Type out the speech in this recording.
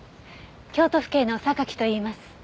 京都府警の榊といいます。